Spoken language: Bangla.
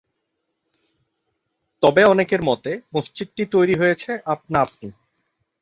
তবে অনেকের মতে, মসজিদটি তৈরী হয়েছে আপনা আপনি।